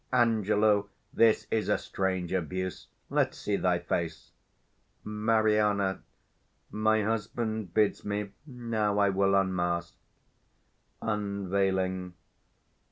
Ang. This is a strange abuse. Let's see thy face. Mari. My husband bids me; now I will unmask. [_Unveiling.